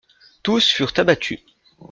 Tous furent abattus.